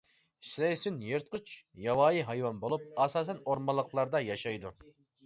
سۈلەيسۈن يىرتقۇچ ياۋايى ھايۋان بولۇپ، ئاساسەن ئورمانلىقلاردا ياشايدۇ.